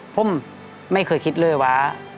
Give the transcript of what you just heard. ผมไม่เคยคิดเลยว่า